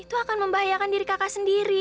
itu akan membahayakan diri kakak sendiri